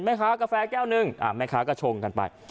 กาแฟแก้วหนึ่งแม่ค้าก็ชงกันไป